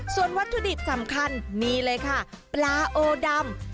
ส่วนวัตถุดิบสำคัญนี่เลยค่ะปลาโอดำ